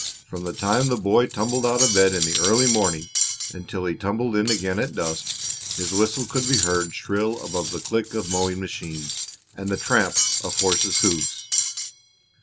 From the time the boy tumbled out of bed in the early morning until he tumbled in again at dusk his whistle could be heard shrill above the click of mowing machines, and the tramp of horses' hoofs.